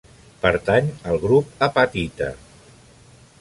Pertany al grup apatita.